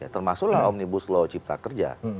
termasuklah omnibus law cipta kerja